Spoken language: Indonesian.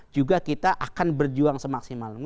juga kita akan berjuang semaksimal mungkin